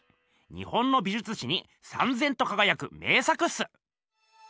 日本の美じゅつ史にさんぜんとかがやく名作っす。